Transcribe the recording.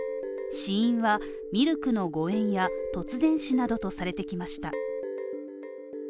死因は、ミルクの誤えんや突然死などとされてきました。